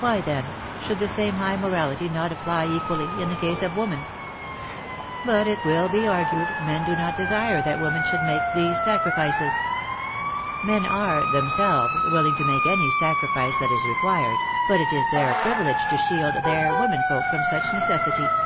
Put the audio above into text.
Why, then, should the same high morality not apply equally in the case of woman ? But, it will be argued, men do not desire that women should make these sacrifices. Men are themselves willing to make any sacrifice that is required, but it is their privilege to shield WAR AND WOMEN 337 *' their womenfolk" from such necessity.